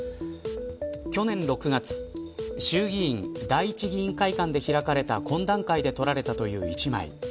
去年６月衆議院第一議員会館で開かれた懇談会で撮られたという１枚。